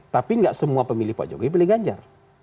tapi nggak semua pemilih pak jokowi pilih ganjar